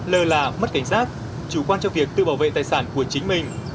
lờ là mất cảnh sát chủ quan cho việc tự bảo vệ tài sản của chính mình